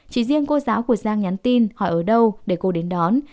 chỉ riêng cô giáo của giang nhắn tin hỏi ở đâu để cô đến đón